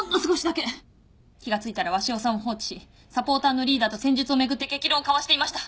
気が付いたら鷲尾さんを放置しサポーターのリーダーと戦術を巡って激論を交わしていました。